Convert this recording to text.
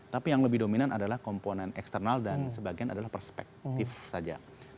tapi yang lebih dominan adalah komponen eksternal dan sebagian adalah perspektif saja